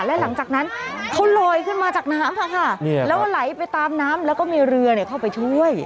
และหลังจากนั้นเขาลอยขึ้นมาจากน้ำค่ะแล้วไหลไปตามน้ำแล้วก็มีเรือเข้าไปช่วย